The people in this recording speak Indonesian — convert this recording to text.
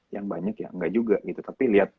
yang banyak ya engga juga gitu tapi liat